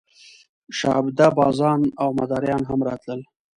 شعبده بازان او مداریان هم راتلل.